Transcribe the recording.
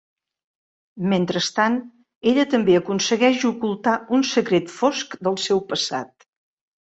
Mentrestant, ella també aconsegueix ocultar un secret fosc del seu passat.